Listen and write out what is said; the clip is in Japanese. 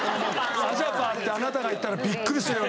アジャパーってあなたが言ったらビックリするよ